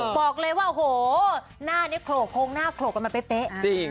บอกเลยว่าโหหน้านี้โผล่โพงหน้าโผล่กันมาเป๊ะเป๊ะจริง